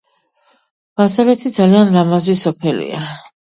ბაზალეთი ძალიან ლამაზი სოფელია